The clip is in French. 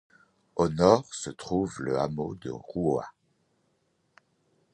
Au nord, se trouve le hameau de Roua.